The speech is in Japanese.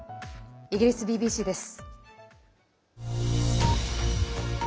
イギリスＢＢＣです。